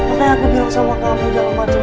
makanya aku bilang sama kamu jangan macam macam gitu ma